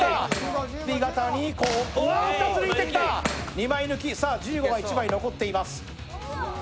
２枚抜き、１５が１枚残っています。